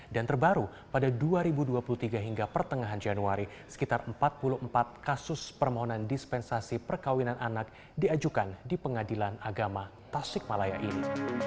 dan terbaru pada dua ribu dua puluh tiga hingga pertengahan januari sekitar empat puluh empat kasus permohonan dispensasi perkawinan anak diajukan di pengadilan agama tasik malaya ini